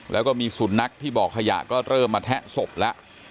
แล้วก็มีสุนัขที่บ่อขยะก็เริ่มมาแทะศพแล้ว